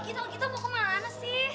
gitu gitu gitu gitu mau ke mana sih